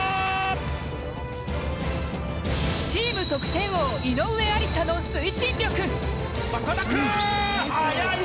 チーム得点王井上愛里沙の推進力。